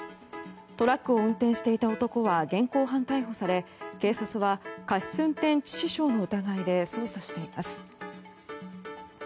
トラックを運転していた男は現行犯逮捕され警察は過失運転致死傷の疑いで捜査しています。